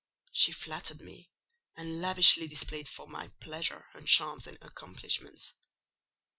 She flattered me, and lavishly displayed for my pleasure her charms and accomplishments.